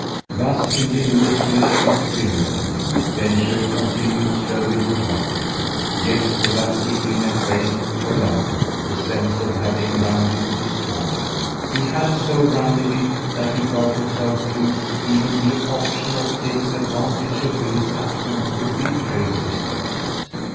Thus ingeniously discriminating, Densher continued slowly to wander; yet without keeping at bay for long the sense of having rounded his corner. He had so rounded it that he felt himself lose even the option of taking advantage of Milly's absence to retrace his steps.